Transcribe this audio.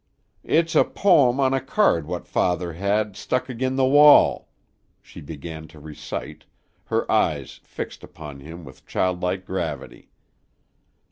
"It's a pome on a card what father had, stuck ag'in' the wall." She began to recite, her eyes fixed upon him with childlike gravity.